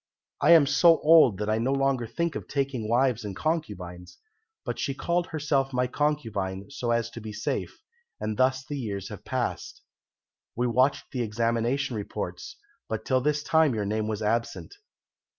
I am so old that I no longer think of taking wives and concubines, but she called herself my concubine so as to be safe, and thus the years have passed. We watched the Examination reports, but till this time your name was absent.